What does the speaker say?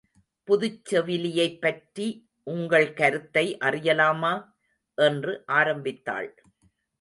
புதுச் செவிலியைப் பற்றி உங்கள் கருத்தை அறியலாமா? என்று ஆரம்பித்தாள்.